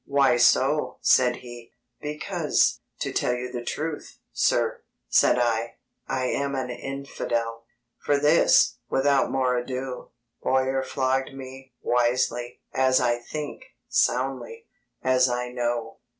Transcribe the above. "Why so?" said he. "Because, to tell you the truth, sir," said I, "I am an infidel!" For this, without more ado, Bowyer flogged me wisely, as I think soundly, as I know.